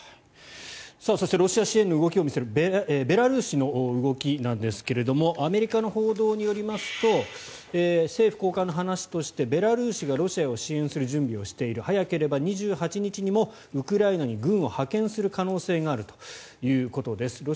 そしてロシア支援の動きを見せる、ベラルーシの動きですがアメリカの報道によりますと政府高官の話としてベラルーシがロシアを支援する準備をしている早ければ２８日にもウクライナに軍を派遣する可能性があるということです。